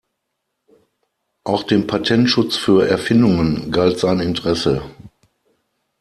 Auch dem Patentschutz für Erfindungen galt sein Interesse.